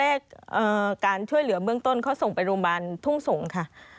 แล้วตอนแรกการช่วยเหลือเบื้องต้นเขาส่งไปโรงพยาบาลทุ่งส่งค่ะ